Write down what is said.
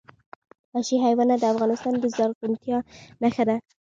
وحشي حیوانات د افغانستان د زرغونتیا نښه ده.